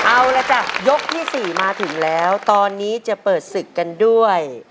เอาละจ้ะยกที่๔มาถึงแล้วตอนนี้จะเปิดศึกกันด้วย